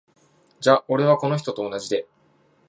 じゃ俺は、この人と同じで。